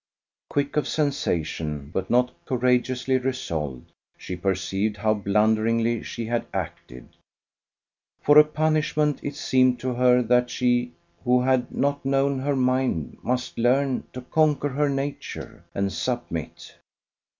Quick of sensation, but not courageously resolved, she perceived how blunderingly she had acted. For a punishment, it seemed to her that she who had not known her mind must learn to conquer her nature, and submit.